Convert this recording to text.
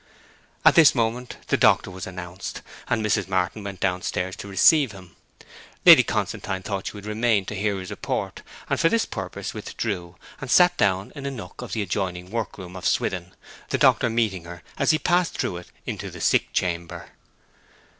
At this moment the doctor was announced, and Mrs. Martin went downstairs to receive him. Lady Constantine thought she would remain to hear his report, and for this purpose withdrew, and sat down in a nook of the adjoining work room of Swithin, the doctor meeting her as he passed through it into the sick chamber.